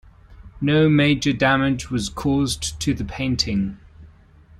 No major damage was caused to the painting.